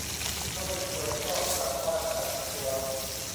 ถ้าไม่ป่วยก็กลับบ้านกักตัว